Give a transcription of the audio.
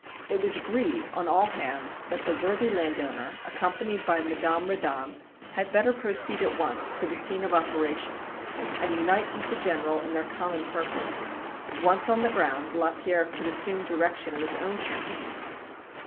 It was agreed, on all hands, that the worthy landowner, accompanied by Madame Reddon, had better proceed at once to the scene of operations and unite with the General in their common purpose. Once on the ground Lapierre could assume direction of his own campaign.